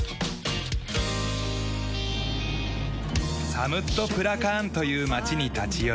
サムットプラカーンという町に立ち寄る。